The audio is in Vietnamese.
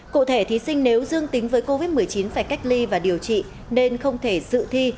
cụ thể thí sinh nếu dương tính với covid một mươi chín phải cách ly và điều trị nên không thể dự thi